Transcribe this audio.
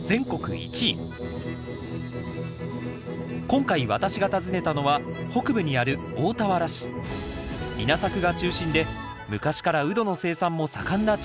今回私が訪ねたのは北部にある稲作が中心で昔からウドの生産も盛んな地域です。